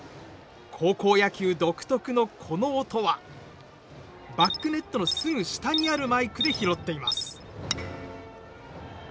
高校野球独特の、この音はバックネットのすぐ下にあるマイクで拾っています。